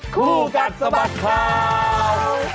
คู่กัดสบัดครับ